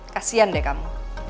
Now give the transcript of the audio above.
kasian deh kamu